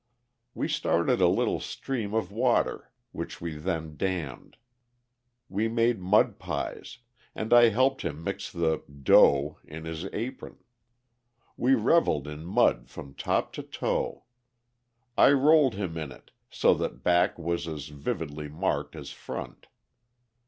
We started a little stream of water, which we then dammed. We made mud pies, and I helped him mix the "dough" in his apron. We reveled in mud from top to toe. I rolled him in it, so that back was as vividly marked as front.